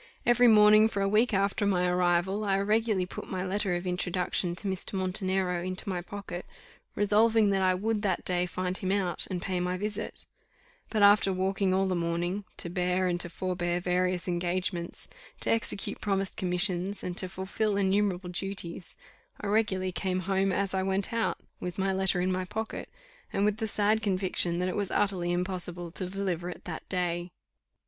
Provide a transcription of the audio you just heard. Every morning for a week after my arrival, I regularly put my letter of introduction to Mr. Montenero into my pocket, resolving that I would that day find him out, and pay my visit; but after walking all the morning, to bear and to forbear various engagements, to execute promised commissions, and to fulfil innumerable duties, I regularly came home as I went out, with my letter in my pocket, and with the sad conviction that it was utterly impossible to deliver it that day.